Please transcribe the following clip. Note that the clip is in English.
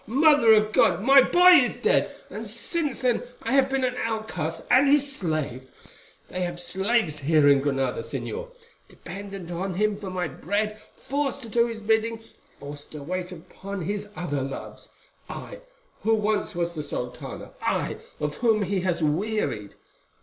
Mother of God, my boy is dead, and since then I have been an outcast and his slave—they have slaves here in Granada, Señor— dependent on him for my bread, forced to do his bidding, forced to wait upon his other loves; I, who once was the sultana; I, of whom he has wearied.